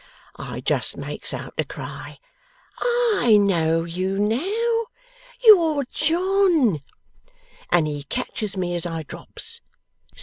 I just makes out to cry, "I know you now! You're John!" And he catches me as I drops.